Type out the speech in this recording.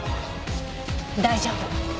大丈夫。